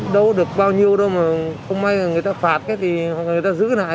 đâu được bao nhiêu đâu mà không may là người ta phạt thì người ta giữ lại